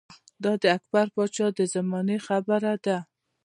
دا د اکبر باچا د زمانې خبره ده